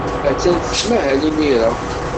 Attan tettmahal imir-a.